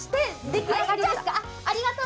出来上がりです。